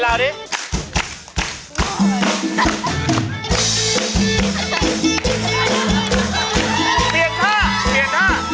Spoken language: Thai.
เล่าอะไรเล่าดิ